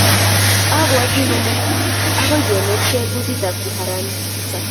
Abwati kole agoi anetgei kutitab kifaransaik